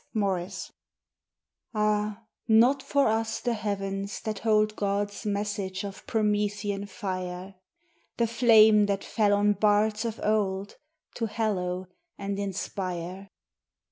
MORRIS _Ah, not for us the Heavens that hold God's message of Promethean fire! The flame that fell on bards of old To hallow and inspire.